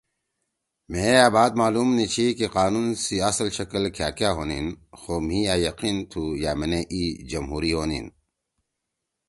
مھیئے أ بات معلوم نِی چھی کہ قانون سی اصل شکل کھأکأ ہونیِن، خو مھی أ یقین تُھو یأمینے ای جمہوری ہونین